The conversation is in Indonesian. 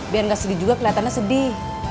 biar gak sedih juga kelihatannya sedih